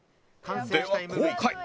では公開！